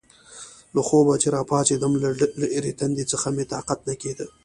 له خوبه چې راپاڅېدم، له ډېرې تندې څخه مې طاقت نه کېده.